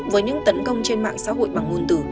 với những tấn công trên mạng xã hội bằng nguồn từ